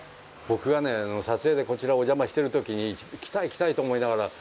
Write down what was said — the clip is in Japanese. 僕がね撮影でこちらお邪魔してる時に来たい来たいと思いながら。